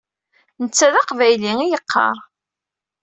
Netta d taqbaylit i yeqqaṛ.